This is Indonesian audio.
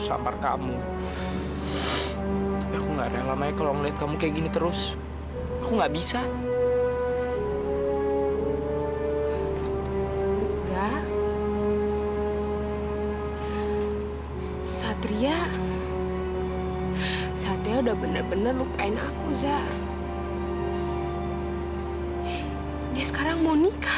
sampai jumpa di video selanjutnya